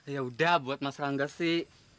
yaudah buat mas rangga sih